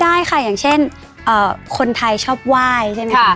ได้ค่ะอย่างเช่นคนไทยชอบไหว้ใช่ไหมคะ